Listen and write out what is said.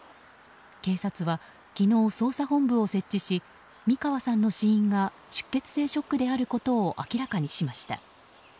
警察は昨日、捜査本部を設置し三川さんの死因が出血性ショックであることを明らかにしました。